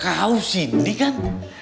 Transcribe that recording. kau cindy kan